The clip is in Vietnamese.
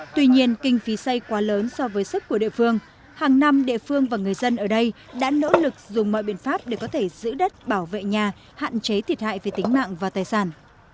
tuy nhiên kinh phí xây quá lớn so với sức của địa phương hàng năm địa phương và người dân ở đây đã nỗ lực dùng mọi biện pháp để có thể giữ đất bảo vệ nhà hạn chế thiệt hại về tính mạng và tài sản